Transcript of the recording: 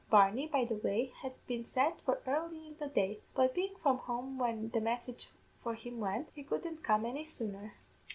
Barney, by the way, had been sent for early in the day, but bein' from home when the message for him went, he couldn't come any sooner.